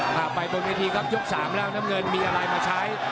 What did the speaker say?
พาไปบนเวทีครับยก๓แล้วน้ำเงินมีอะไรมาใช้